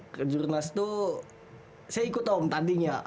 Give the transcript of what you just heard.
kejurnas itu saya ikut om tandingnya